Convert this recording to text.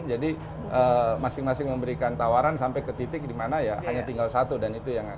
jadi masing masing memberikan tawaran sampai ke titik dimana ya hanya tinggal satu dan itu yang kita